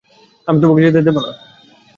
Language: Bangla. আমি তোমাকে যেতে দেবো না!